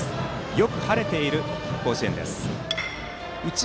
よく晴れている甲子園です。